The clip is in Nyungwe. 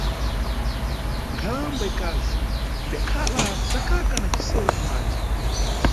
Nkhalamba ikazi idakhala dzakaka na cisero mʼmanja.